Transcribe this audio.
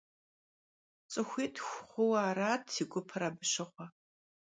Ts'ıxuitxu xhuue arat si gupır abı şığue.